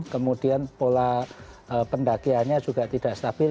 kemudian pola pendakiannya juga tidak stabil